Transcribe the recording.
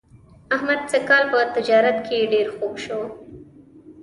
احمد سږ کال په تجارت کې ډېر خوږ شو.